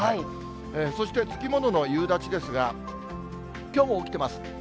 そして付き物の夕立ですが、きょうも起きてます。